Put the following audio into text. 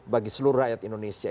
bagi seluruh rakyat indonesia